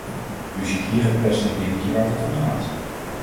U ziet hier het plastic dingetje waar het om gaat.